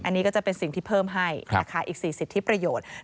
อันนี้ก็จะเป็นสิ่งที่เพิ่มให้นะคะอีก๔สิทธิประโยชน์